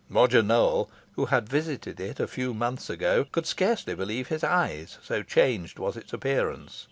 Roger Nowell, who had visited it a few months ago, could scarcely believe his eyes, so changed was its appearance.